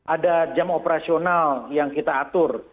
ada jam operasional yang kita atur